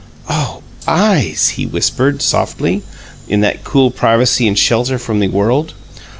"Oh, eyes!" he whispered, softly, in that cool privacy and shelter from the world.